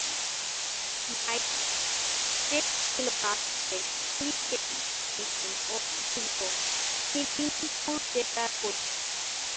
দায়িত্বে ছিল রাজ্য হেরিটেজ কমিশন ও পূর্ব মেদিনীপুর জেলা পরিষদ।